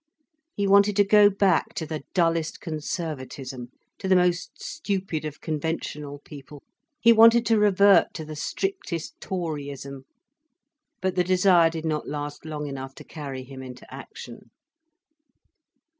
He wanted to go back to the dullest conservatism, to the most stupid of conventional people. He wanted to revert to the strictest Toryism. But the desire did not last long enough to carry him into action.